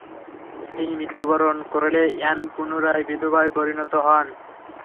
তিনি মৃত্যুবরণ করলে অ্যান পুনরায় বিধবায় পরিণত হন।